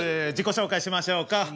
自己紹介しましょうか。